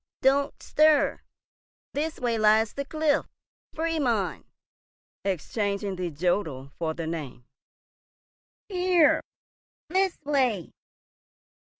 "Don't stir. This way lies the cliff. Fried mund!" exchanging the jodel for the name. "Here!—this way!